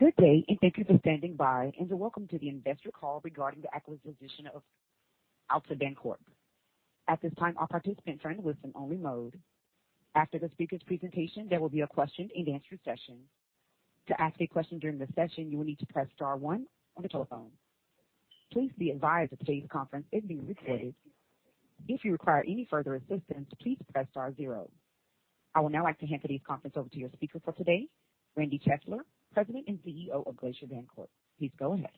Good day, and thank you for standing by and welcome to the Investor Call Regarding the Acquisition of Altabancorp. At this time, all participants are in listen-mode. Following the speaker's presentation, there will be a question-and-answer session. To ask a question during the session, please press star one on your telephone keypad. To reach the operator, please press star zero. I would now like to hand today's conference over to your speaker for today, Randall Chesler, President and CEO of Glacier Bancorp. Please go ahead.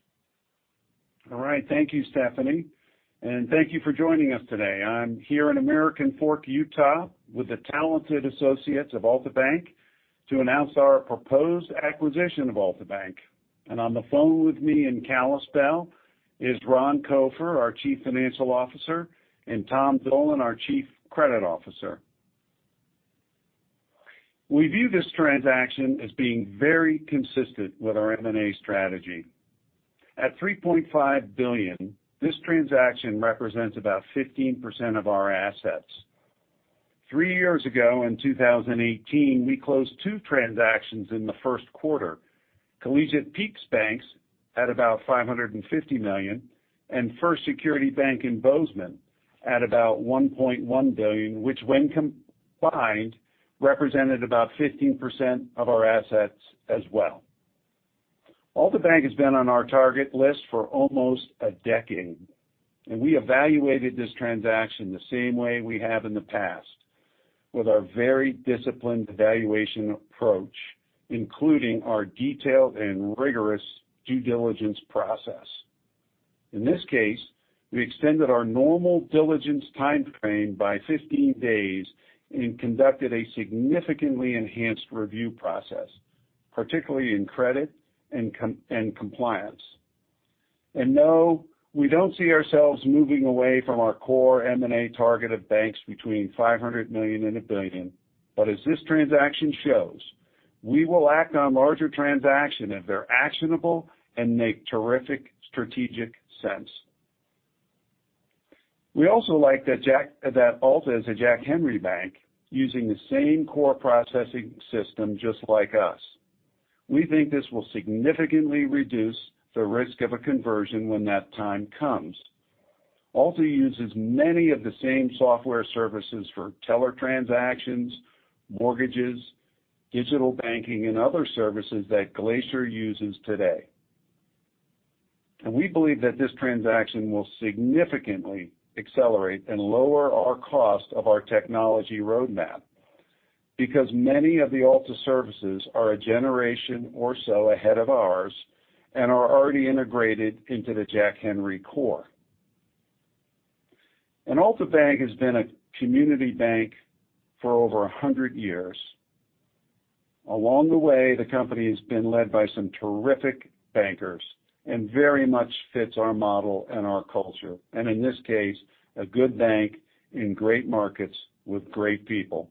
All right. Thank you, Stephanie, and thank you for joining us today. I'm here in American Fork, Utah, with the talented associates of Altabank to announce our proposed acquisition of Altabank. On the phone with me in Kalispell is Ron Copher, our chief financial officer, and Tom Dolan, our chief credit officer. We view this transaction as being very consistent with our M&A strategy. At $3.5 billion, this transaction represents about 15% of our assets. Three years ago, in 2018, we closed two transactions in the Q1, Collegiate Peaks Bank at about $550 million, and First Security Bank in Bozeman at about $1.1 billion, which when combined, represented about 15% of our assets as well. Altabank has been on our target list for almost a decade, and we evaluated this transaction the same way we have in the past with our very disciplined valuation approach, including our detailed and rigorous due diligence process. In this case, we extended our normal diligence timeframe by 15 days and conducted a significantly enhanced review process, particularly in credit and compliance. No, we don't see ourselves moving away from our core M&A target of banks between $500 million and $1 billion. As this transaction shows, we will act on larger transactions if they're actionable and make terrific strategic sense. We also like that Alta is a Jack Henry bank using the same core processing system just like us. We think this will significantly reduce the risk of a conversion when that time comes. Alta uses many of the same software services for teller transactions, mortgages, digital banking, and other services that Glacier uses today. We believe that this transaction will significantly accelerate and lower our cost of our technology roadmap because many of the Alta services are a generation or so ahead of ours and are already integrated into the Jack Henry core. Altabank has been a community bank for over 100 years. Along the way, the company has been led by some terrific bankers and very much fits our model and our culture, and in this case, a good bank in great markets with great people.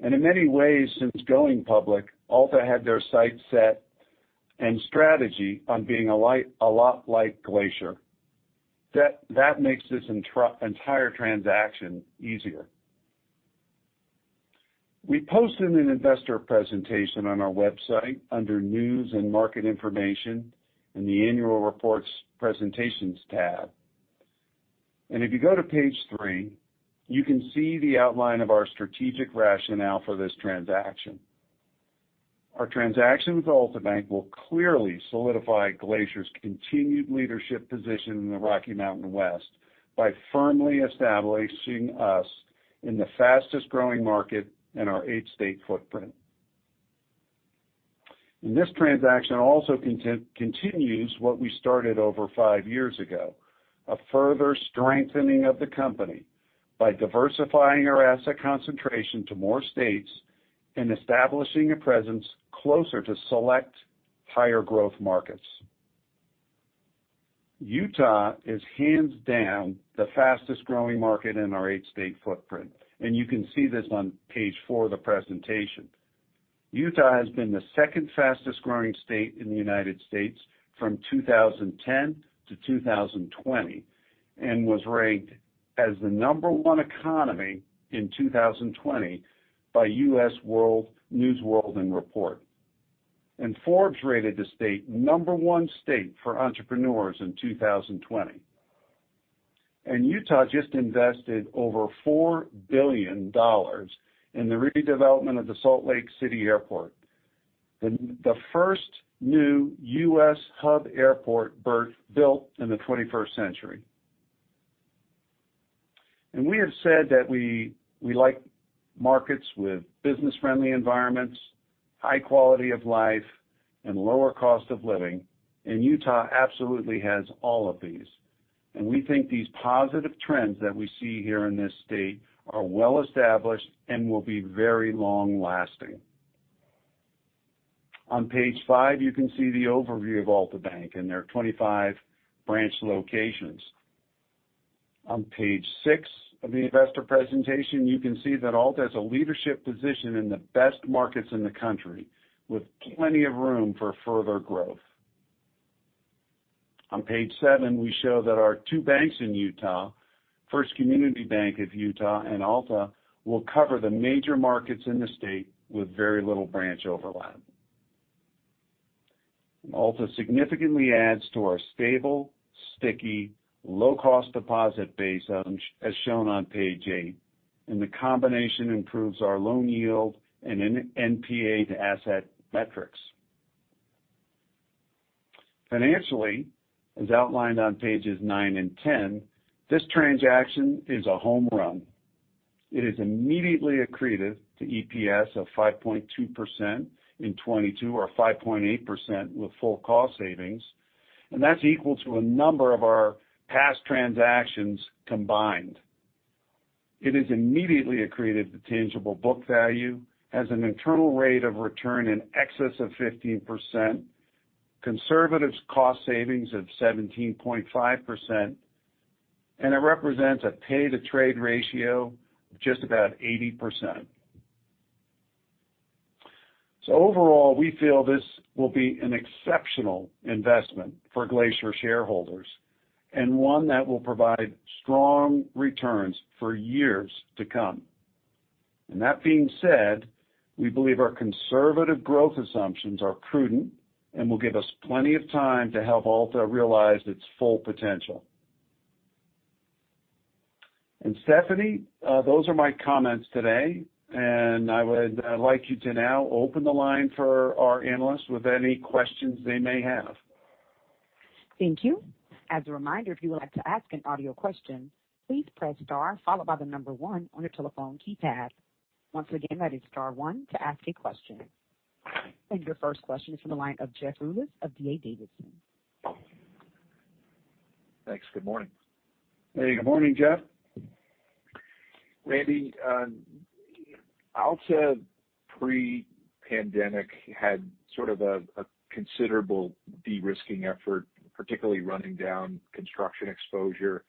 In many ways since going public, Alta had their sights set and strategy on being a lot like Glacier. That makes this entire transaction easier. We posted an investor presentation on our website under News and Market Information in the Annual Reports Presentations tab. If you go to page three, you can see the outline of our strategic rationale for this transaction. Our transaction with Altabank will clearly solidify Glacier's continued leadership position in the Rocky Mountain West by firmly establishing us in the fastest-growing market in our eight-state footprint. This transaction also continues what we started over five years ago, a further strengthening of the company by diversifying our asset concentration to more states and establishing a presence closer to select higher-growth markets. Utah is hands down the fastest-growing market in our eight-state footprint, and you can see this on page four of the presentation. Utah has been the second fastest-growing state in the U.S. from 2010 to 2020 and was ranked as the number one economy in 2020 by U.S. News & World Report. Forbes rated the state number one state for entrepreneurs in 2020. Utah just invested over $4 billion in the redevelopment of the Salt Lake City Airport, the first new U.S. hub airport built in the 21st century. We have said that we like markets with business-friendly environments, high quality of life, and lower cost of living, and Utah absolutely has all of these. We think these positive trends that we see here in this state are well-established and will be very long-lasting. On page five, you can see the overview of Altabank and their 25 branch locations. On page six of the investor presentation, you can see that Alta has a leadership position in the best markets in the country with plenty of room for further growth. On page seven, we show that our two banks in Utah, First Community Bank Utah and Alta, will cover the major markets in the state with very little branch overlap. Alta significantly adds to our stable, sticky, low-cost deposit base as shown on page eight, and the combination improves our loan yield and NPA to asset metrics. Financially, as outlined on pages nine and 10, this transaction is a home run. It is immediately accretive to EPS of 5.2% in 2022 or 5.8% with full cost savings, and that's equal to a number of our past transactions combined. It is immediately accretive to tangible book value, has an internal rate of return in excess of 15%, conservative cost savings of 17.5%. It represents a pay to trade ratio of just about 80%. Overall, we feel this will be an exceptional investment for Glacier shareholders, and one that will provide strong returns for years to come. That being said, we believe our conservative growth assumptions are prudent and will give us plenty of time to help Alta realize its full potential. Stephanie, those are my comments today, and I'd like you to now open the line for our analysts with any questions they may have. Thank you. As a reminder, if you would like to ask an audio question, please press star followed by the number one on your telephone keypad. Once again, that is star one to ask a question. Your first question is from the line of Jeffrey Rulis of D.A. Davidson. Thanks. Good morning. Hey, good morning, Jeffrey Randal, Altabank pre-pandemic had sort of a considerable de-risking effort, particularly running down construction exposure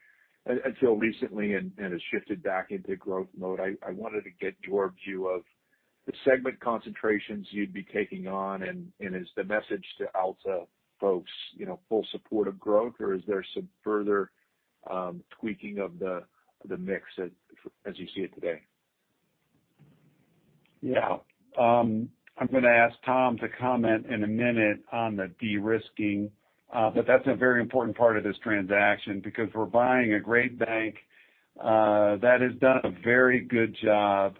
until recently and has shifted back into growth mode. I wanted to get your view of the segment concentrations you'd be taking on, and is the message to Altabank folks full support of growth or is there some further tweaking of the mix as you see it today? Yeah. I'm going to ask Tom to comment in a minute on the de-risking, but that's a very important part of this transaction because we're buying a great bank that has done a very good job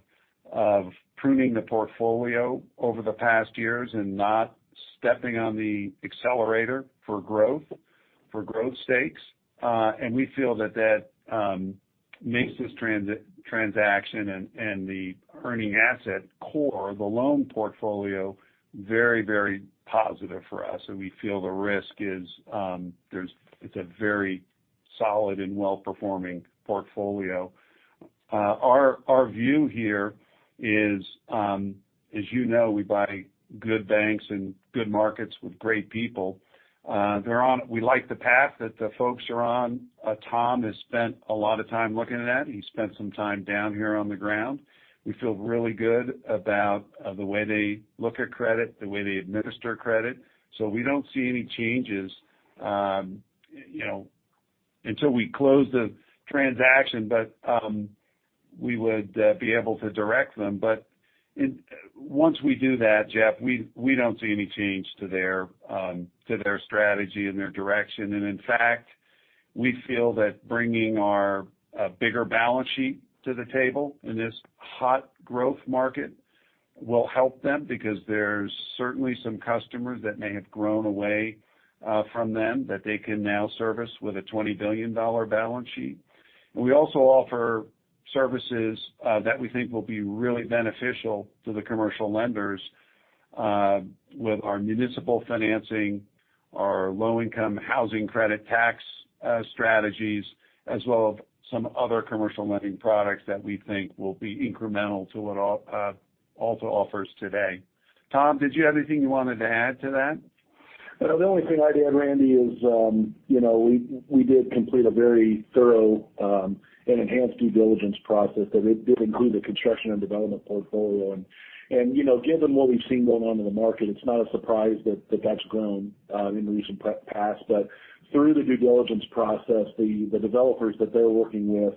of pruning the portfolio over the past years and not stepping on the accelerator for growth stakes. We feel that makes this transaction and the earning asset core, the loan portfolio, very positive for us, and we feel the risk is it's a very solid and well-performing portfolio. Our view here is, as you know, we buy good banks and good markets with great people. We like the path that the folks are on. Tom has spent a lot of time looking at it. He spent some time down here on the ground. We feel really good about the way they look at credit, the way they administer credit. We don't see any changes until we close the transaction, but we would be able to direct them. Once we do that, Jeffrey, we don't see any change to their strategy and their direction. In fact, we feel that bringing our bigger balance sheet to the table in this hot growth market will help them because there's certainly some customers that may have grown away from them that they can now service with a $20 billion balance sheet. We also offer services that we think will be really beneficial to the commercial lenders with our municipal financing, our Low-Income Housing Tax Credit strategies, as well as some other commercial lending products that we think will be incremental to what Altabank offers today. Tom, did you have anything you wanted to add to that? The only thing I'd add, Randall, is we did complete a very thorough and enhanced due diligence process that did include the construction and development portfolio. Given what we've seen going on in the market, it's not a surprise that that's grown in recent past. Through the due diligence process, the developers that they're working with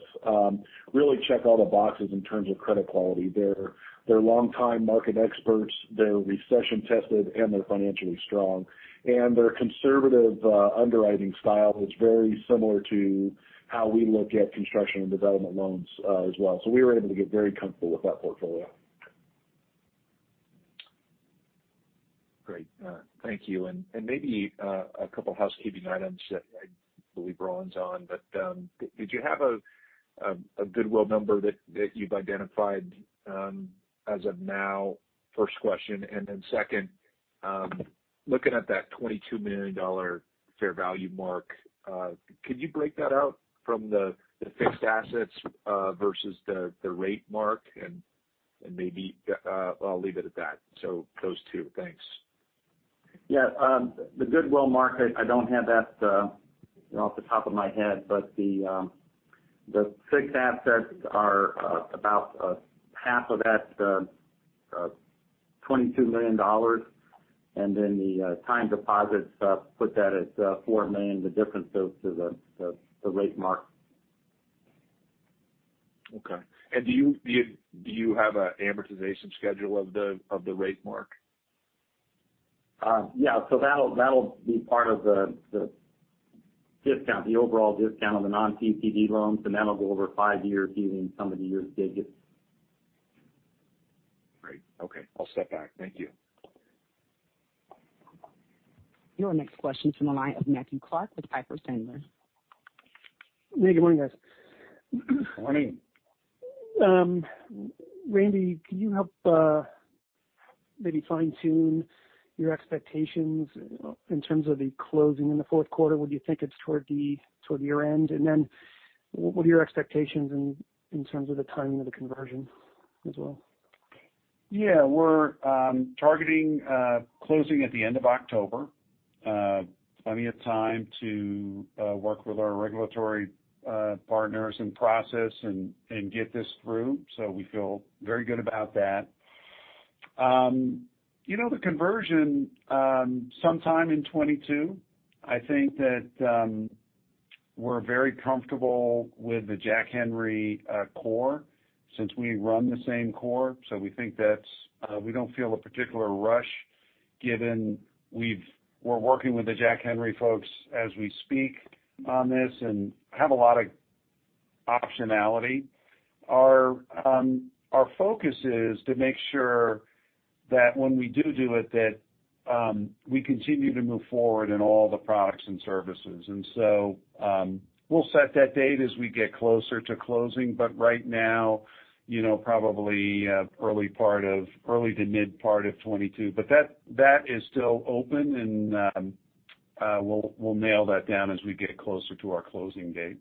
really check all the boxes in terms of credit quality. They're longtime market experts, they're recession-tested, and they're financially strong. Their conservative underwriting style is very similar to how we look at construction and development loans as well. We were able to get very comfortable with that portfolio. Great. Thank you. Maybe a couple housekeeping items that I believe Ron Copher's on. Did you have a goodwill number that you've identified as of now? First question. Second, looking at that $22 million fair value mark, could you break that out from the fixed assets versus the rate mark? Maybe I'll leave it at that. Those two. Thanks. Yeah. The goodwill mark, I don't have that off the top of my head, but the fixed assets are about half of that $22 million. The time deposit stuff, put that at four million, the difference to the rate mark. Okay. Do you have an amortization schedule of the rate mark? Yeah. That'll be part of the discount, the overall discount on the non-PCD loans, and that'll go over five years, given some of the years they get. Great. Okay. I'll step back. Thank you. Your next question's from the line of Matthew Clark with Piper Sandler. Hey, good morning, guys. Morning. Randy, can you help maybe fine-tune your expectations in terms of the closing in the fourth quarter? Would you think it's toward your end? What are your expectations in terms of the timing of the conversion as well? Yeah. We're targeting closing at the end of October. Plenty of time to work with our regulatory partners and process and get this through. We feel very good about that. The conversion, sometime in 2022. I think that we're very comfortable with the Jack Henry core since we run the same core. We don't feel a particular rush given we're working with the Jack Henry folks as we speak on this and have a lot of optionality. Our focus is to make sure that when we do it, that we continue to move forward in all the products and services. We'll set that date as we get closer to closing. Right now, probably early to mid part of 2022. That is still open and we'll nail that down as we get closer to our closing date.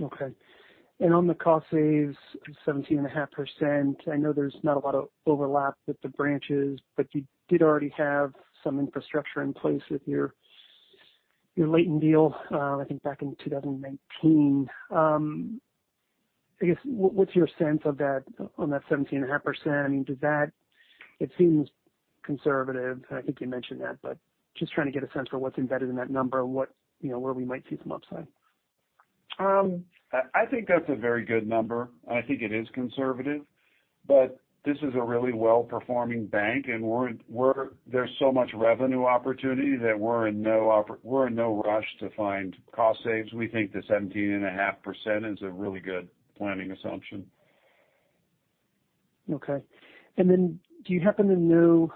Okay. On the cost saves, 17.5%, I know there's not a lot of overlap with the branches, but you did already have some infrastructure in place with your Layton deal, I think back in 2019. I guess, what's your sense on that 17.5%? It seems conservative, and I think you mentioned that, but just trying to get a sense for what's embedded in that number and where we might see some upside. I think that's a very good number, and I think it is conservative. This is a really well-performing bank, and there's so much revenue opportunity that we're in no rush to find cost saves. We think that 17.5% is a really good planning assumption. Okay. Do you happen to know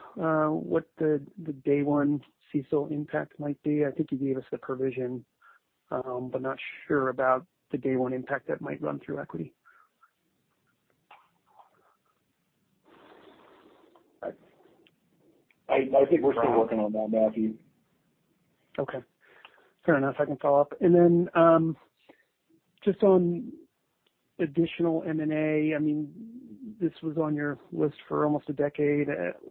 what the day one CECL impact might be? I think you gave us the provision, but not sure about the day one impact that might run through equity. I think we're still working on that, Matthew. Okay. Fair enough. I can follow up. Just on additional M&A, this was on your list for almost a decade.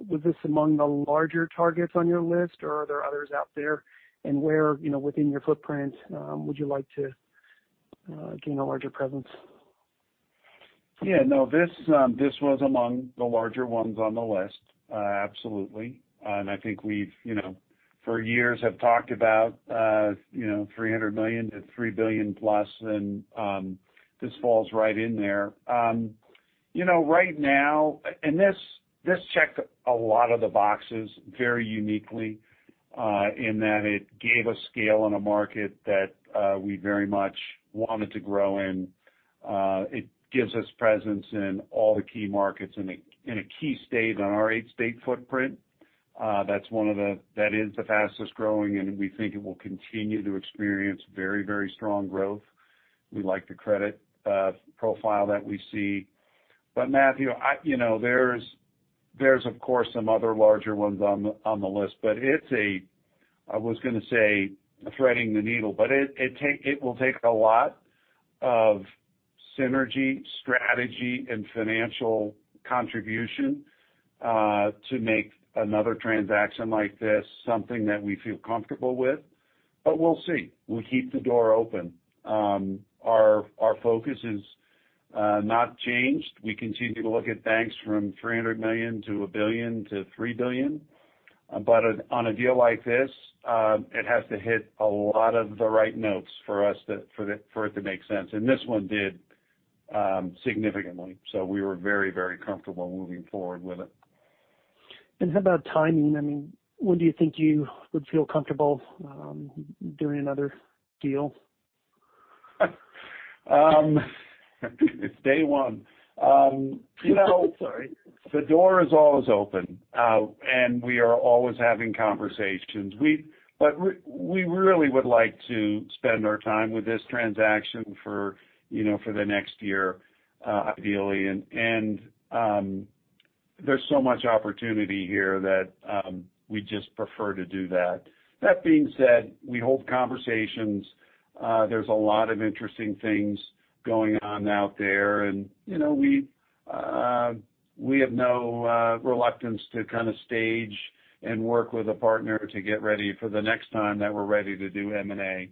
Was this among the larger targets on your list, or are there others out there? Where within your footprint would you like to gain a larger presence? Yeah. No, this was among the larger ones on the list. Absolutely. I think we've, for years, have talked about $300 million-$3 billion plus, and this falls right in there. This checked a lot of the boxes very uniquely in that it gave us scale in a market that we very much wanted to grow in. It gives us presence in all the key markets in a key state on our eight-state footprint. That is the fastest-growing, and we think it will continue to experience very strong growth. We like the credit profile that we see. Matthew, there's of course some other larger ones on the list. I was going to say, threading the needle. It will take a lot of synergy, strategy, and financial contribution to make another transaction like this something that we feel comfortable with. We'll see. We'll keep the door open. Our focus is not changed. We continue to look at banks from $300 million-$1 billion-$3 billion. On a deal like this, it has to hit a lot of the right notes for it to make sense. This one did significantly. We were very comfortable moving forward with it. How about timing? When do you think you would feel comfortable doing another deal? It's day one. Sorry. The door is always open. We are always having conversations. We really would like to spend our time with this transaction for the next year, ideally. There's so much opportunity here that we'd just prefer to do that. That being said, we hold conversations. There's a lot of interesting things going on out there, and we have no reluctance to kind of stage and work with a partner to get ready for the next time that we're ready to do M&A.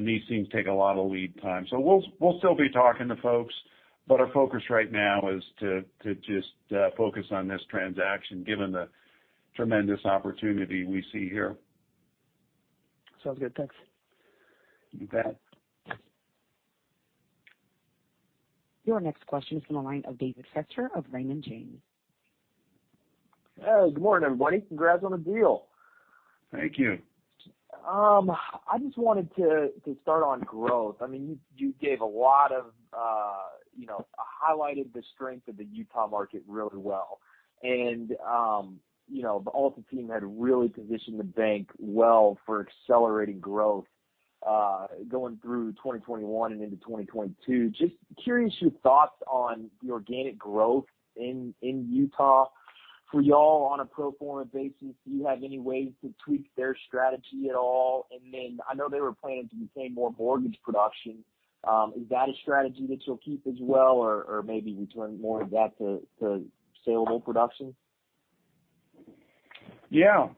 These things take a lot of lead time. We'll still be talking to folks, but our focus right now is to just focus on this transaction, given the tremendous opportunity we see here. Sounds good. Thanks. You bet. Your next question is from the line of David Feaster of Raymond James. Hey, good morning, everybody. Congrats on the deal. Thank you. I just wanted to start on growth. You highlighted the strength of the Utah market really well. The Altabank team had really positioned the bank well for accelerating growth going through 2021 and into 2022. Just curious your thoughts on the organic growth in Utah for you all on a pro forma basis. Do you have any ways to tweak their strategy at all? I know they were planning to retain more mortgage production. Is that a strategy that you'll keep as well, or maybe return more of that to saleable production? Yeah.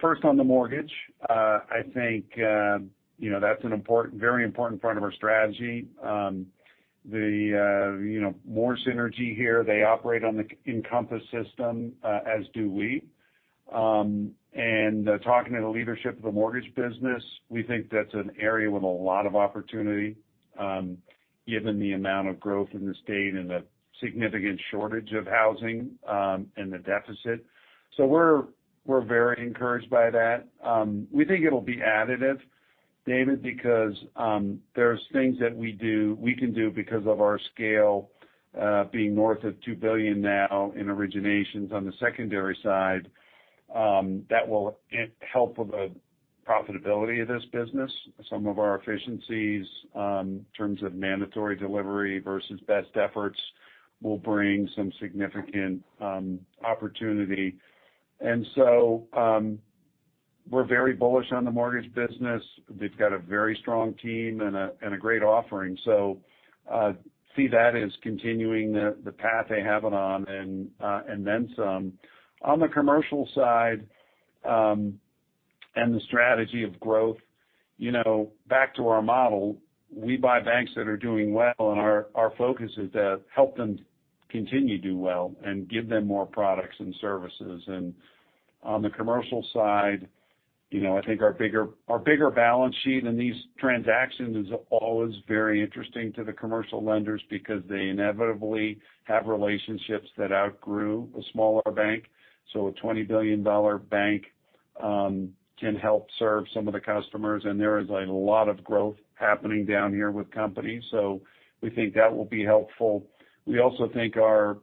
First on the mortgage, I think that's a very important part of our strategy. More synergy here. They operate on the Encompass system, as do we. Talking to the leadership of the mortgage business, we think that's an area with a lot of opportunity, given the amount of growth in the state and the significant shortage of housing and the deficit. We're very encouraged by that. We think it'll be additive, David, because there's things that we can do because of our scale, being north of $2 billion now in originations on the secondary side, that will help with the profitability of this business. Some of our efficiencies, in terms of mandatory delivery versus best efforts, will bring some significant opportunity. We're very bullish on the mortgage business. They've got a very strong team and a great offering. See that as continuing the path they have it on and then some. On the commercial side, and the strategy of growth. Back to our model, we buy banks that are doing well, and our focus is to help them continue do well and give them more products and services. On the commercial side, I think our bigger balance sheet in these transactions is always very interesting to the commercial lenders because they inevitably have relationships that outgrew the smaller bank. A $20 billion bank can help serve some of the customers, and there is a lot of growth happening down here with companies. We think that will be helpful. We also think our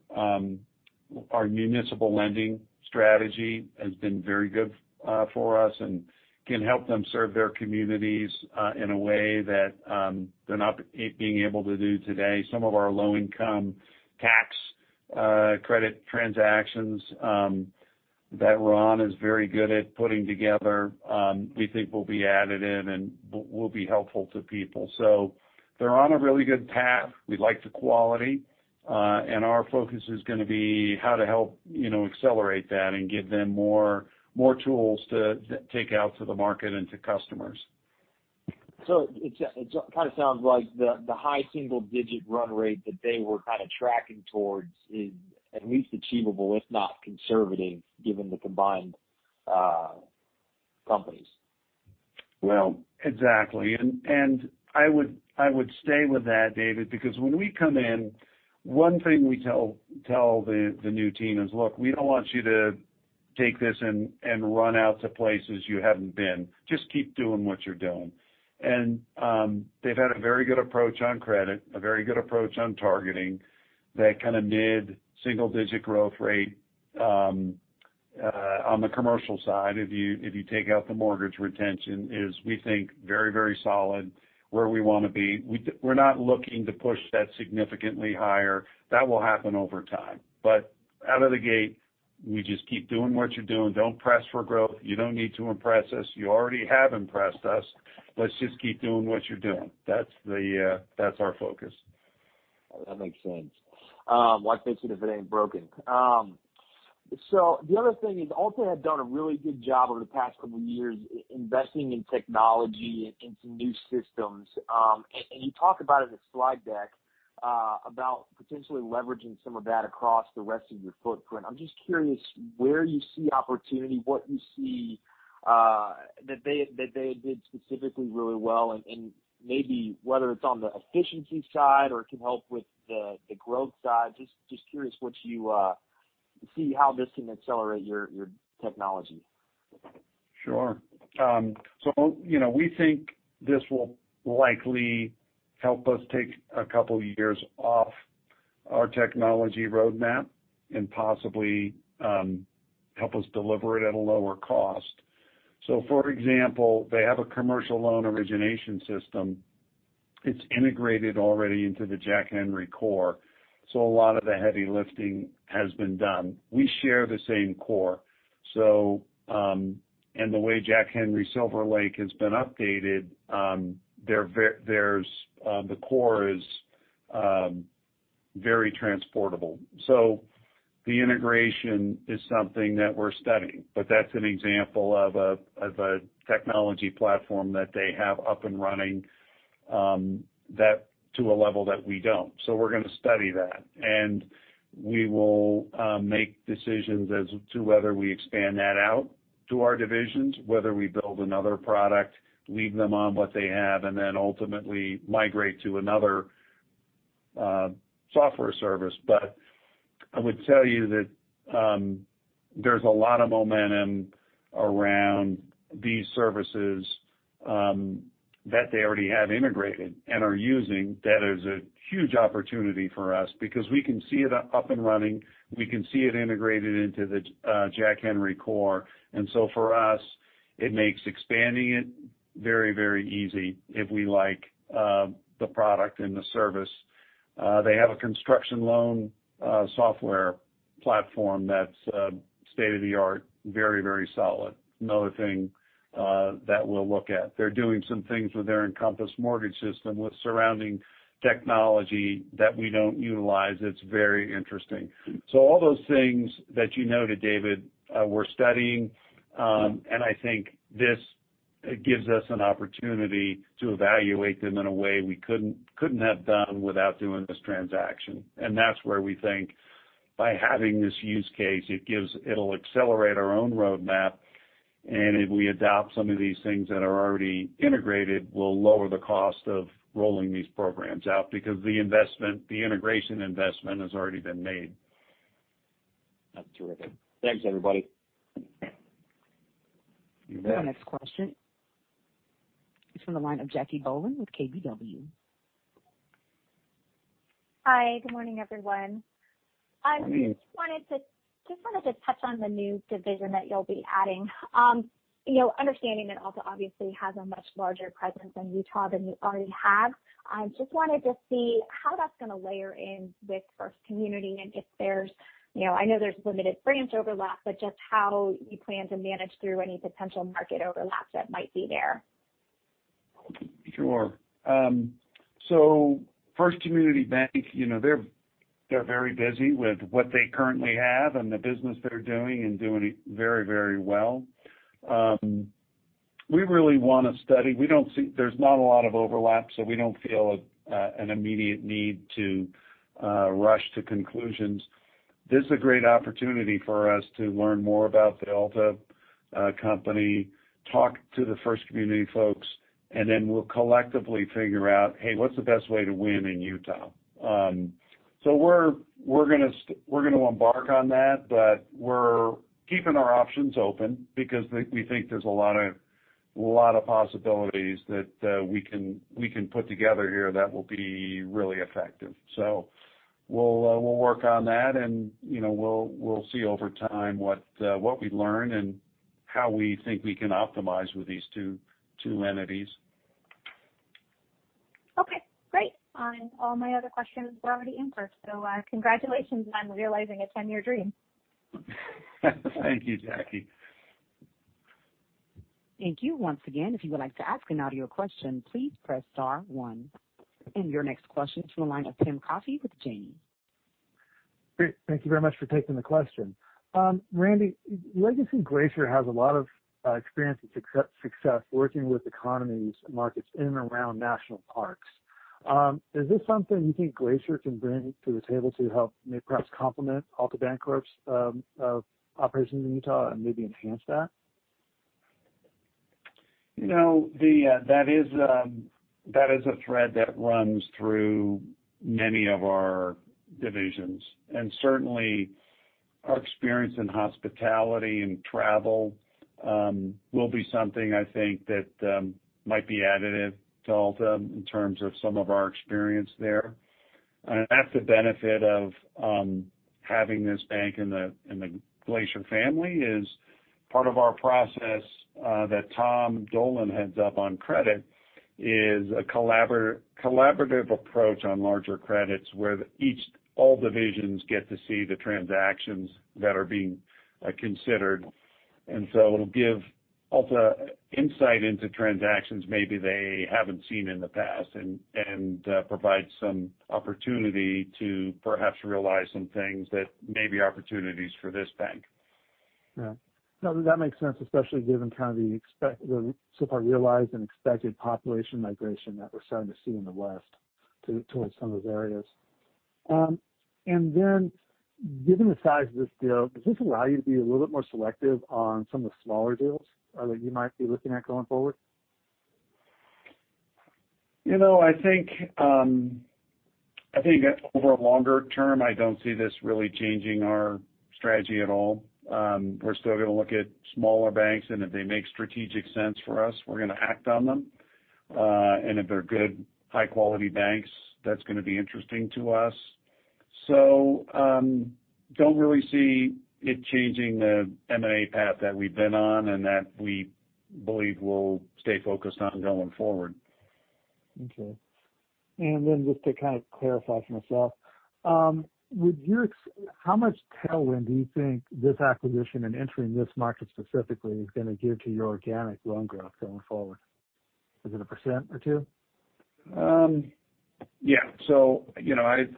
municipal lending strategy has been very good for us and can help them serve their communities in a way that they're not being able to do today. Some of our low-income tax credit transactions that Ron is very good at putting together, we think will be added in and will be helpful to people. They're on a really good path. We like the quality. Our focus is going to be how to help accelerate that and give them more tools to take out to the market and to customers. It kind of sounds like the high single-digit run rate that they were kind of tracking towards is at least achievable, if not conservative, given the combined companies. Well, exactly. I would stay with that, David, because when we come in, one thing we tell the new team is, "Look, we don't want you to take this and run out to places you haven't been. Just keep doing what you're doing." They've had a very good approach on credit, a very good approach on targeting. That kind of mid-single-digit growth rate on the commercial side, if you take out the mortgage retention, is, we think very solid, where we want to be. We're not looking to push that significantly higher. That will happen over time. Out of the gate, we just keep doing what you're doing. Don't press for growth. You don't need to impress us. You already have impressed us. Let's just keep doing what you're doing. That's our focus. That makes sense. Why fix it if it ain't broken? The other thing is Altabank had done a really good job over the past couple of years investing in technology and some new systems. You talk about in the slide deck about potentially leveraging some of that across the rest of your footprint. I'm just curious where you see opportunity, what you see that they did specifically really well, and maybe whether it's on the efficiency side or it can help with the growth side. Just curious what you see how this can accelerate your technology. Sure. We think this will likely help us take a couple years off our technology roadmap and possibly help us deliver it at a lower cost. For example, they have a commercial loan origination system. It's integrated already into the Jack Henry core, so a lot of the heavy lifting has been done. We share the same core. The way Jack Henry SilverLake has been updated, the core is very transportable. The integration is something that we're studying. That's an example of a technology platform that they have up and running to a level that we don't. We're going to study that. We will make decisions as to whether we expand that out to our divisions, whether we build another product, leave them on what they have, and then ultimately migrate to another software service. I would tell you that there's a lot of momentum around these services that they already have integrated and are using. That is a huge opportunity for us because we can see it up and running. We can see it integrated into the Jack Henry core. For us, it makes expanding it very, very easy if we like the product and the service. They have a construction loan software platform that's state-of-the-art, very solid. Another thing that we'll look at. They're doing some things with their Encompass mortgage system with surrounding technology that we don't utilize. It's very interesting. All those things that you noted, David, we're studying. I think this gives us an opportunity to evaluate them in a way we couldn't have done without doing this transaction. That's where we think by having this use case, it'll accelerate our own roadmap, and if we adopt some of these things that are already integrated, we'll lower the cost of rolling these programs out because the integration investment has already been made. That's terrific. Thanks, everybody. You bet. Our next question is from the line of Jacquelynne Bohlen with KBW. Hi, good morning, everyone. Morning. I just wanted to touch on the new division that you'll be adding. Understanding that Altabank obviously has a much larger presence in Utah than you already have, I just wanted to see how that's going to layer in with First Community and I know there's limited branch overlap, but just how you plan to manage through any potential market overlap that might be there. Sure. First Community Bank, they're very busy with what they currently have and the business they're doing and doing it very well. We really want to study. There's not a lot of overlap. We don't feel an immediate need to rush to conclusions. This is a great opportunity for us to learn more about the Altabank company, talk to the First Community folks, and then we'll collectively figure out, hey, what's the best way to win in Utah? We're going to embark on that, but we're keeping our options open because we think there's a lot of possibilities that we can put together here that will be really effective. We'll work on that, and we'll see over time what we learn and how we think we can optimize with these two entities. Okay, great. All my other questions were already answered. Congratulations on realizing a 10-year dream. Thank you, Jacquelynne. Thank you once again. If you would like to ask an audio question, please press star one. Your next question is from the line of Tim Coffey with Janney. Great. Thank you very much for taking the question. Randy, Legacy Glacier has a lot of experience and success working with economies and markets in and around national parks. Is this something you think Glacier can bring to the table to help maybe perhaps complement Altabancorp's operations in Utah and maybe enhance that? That is a thread that runs through many of our divisions. Certainly, our experience in hospitality and travel will be something, I think, that might be additive to Altabank in terms of some of our experience there. That's the benefit of having this bank in the Glacier family is part of our process that Tom Dolan heads up on credit is a collaborative approach on larger credits where all divisions get to see the transactions that are being considered. It'll give Altabank insight into transactions maybe they haven't seen in the past and provide some opportunity to perhaps realize some things that may be opportunities for this bank. No, that makes sense, especially given kind of the so far realized and expected population migration that we're starting to see in the West towards some of those areas. Given the size of this deal, does this allow you to be a little bit more selective on some of the smaller deals that you might be looking at going forward? I think over a longer term, I don't see this really changing our strategy at all. We're still going to look at smaller banks, and if they make strategic sense for us, we're going to act on them. If they're good, high-quality banks, that's going to be interesting to us. Don't really see it changing the M&A path that we've been on and that we believe we'll stay focused on going forward. Okay. Just to kind of clarify for myself, how much tailwind do you think this acquisition and entering this market specifically is going to give to your organic loan growth going forward? Is it a percent or two? Yeah.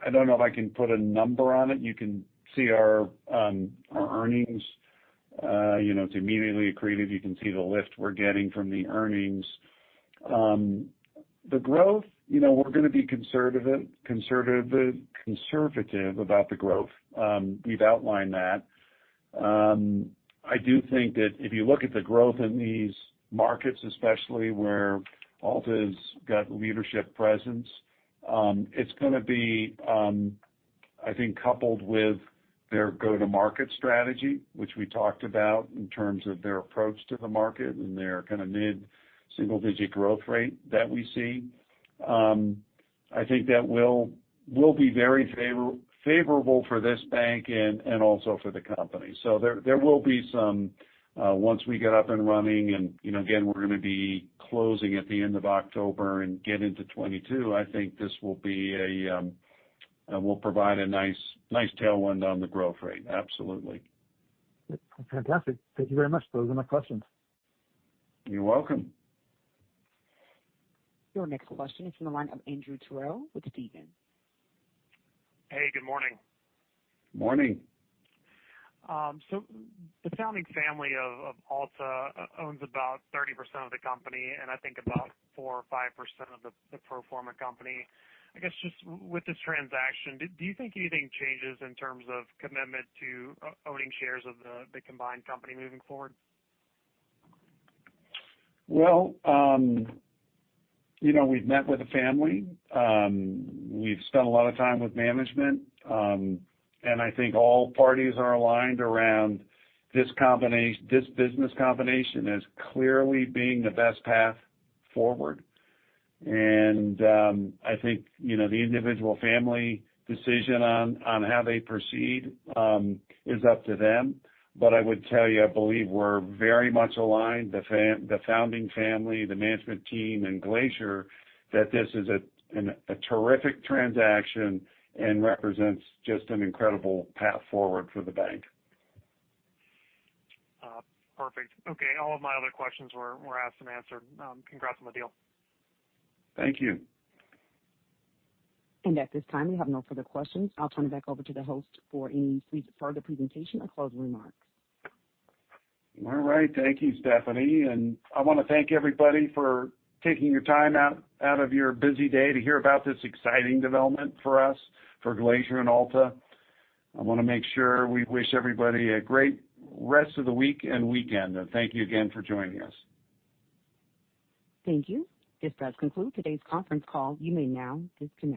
I don't know if I can put a number on it. You can see our earnings. It's immediately accretive. You can see the lift we're getting from the earnings. The growth, we're going to be conservative about the growth. We've outlined that. I do think that if you look at the growth in these markets, especially where Altabank's got leadership presence, it's going to be, I think, coupled with their go-to-market strategy, which we talked about in terms of their approach to the market and their kind of mid-single-digit growth rate that we see. I think that will be very favorable for this bank and also for the company. There will be some, once we get up and running, and again, we're going to be closing at the end of October and get into 2022, I think this will provide a nice tailwind on the growth rate. Absolutely. Fantastic. Thank you very much. Those are my questions. You're welcome. Your next question is from the line of Andrew Terrell with Stephens. Hey, good morning. Morning. The founding family of Altabank owns about 30% of the company, and I think about 4% or 5% of the pro forma company. I guess, just with this transaction, do you think anything changes in terms of commitment to owning shares of the combined company moving forward? Well, we've met with the family. We've spent a lot of time with management. I think all parties are aligned around this business combination as clearly being the best path forward. I think the individual family decision on how they proceed is up to them. I would tell you, I believe we're very much aligned, the founding family, the management team, and Glacier, that this is a terrific transaction and represents just an incredible path forward for the bank. Perfect. Okay. All of my other questions were asked and answered. Congrats on the deal. Thank you. At this time, we have no further questions. I'll turn it back over to the host for any further presentation or closing remarks. All right. Thank you, Stephanie. I want to thank everybody for taking your time out of your busy day to hear about this exciting development for us, for Glacier and Altabank. I want to make sure we wish everybody a great rest of the week and weekend. Thank you again for joining us. Thank you. This does conclude today's conference call. You may now disconnect.